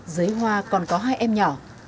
dưới hoa còn có hai em nhỏ